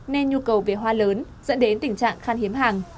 nên nhu cầu về hoa lớn dẫn đến tình trạng khan hiếm hàng